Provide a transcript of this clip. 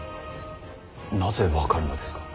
なぜ分かるのですか。